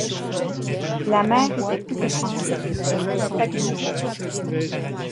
La mer était plus que tranquille, elle était stagnante.